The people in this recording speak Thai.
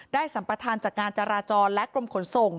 สัมประธานจากงานจราจรและกรมขนส่ง